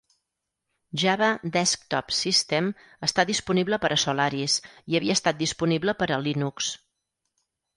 Java Desktop System està disponible per a Solaris i havia estat disponible per a Linux.